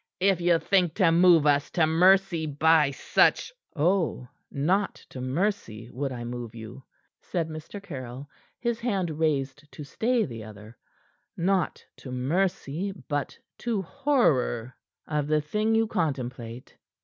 "If you think to move us to mercy by such " "Oh, not to mercy would I move you," said Mr. Caryll, his hand raised to stay the other, "not to mercy, but to horror of the thing you contemplate."